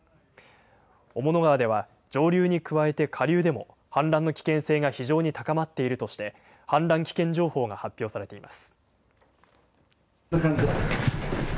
雄物川では上流に加えて下流でも氾濫の危険性が非常に高まっているとして氾濫危険情報が発表されています。